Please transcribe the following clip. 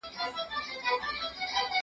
زه هره ورځ د کتابتوننۍ سره خبري کوم،